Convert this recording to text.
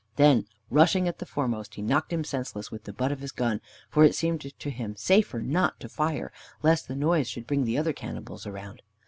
Then, rushing at the foremost, he knocked him senseless with the butt of his gun, for it seemed to him safer not to fire, lest the noise should bring the other cannibals around.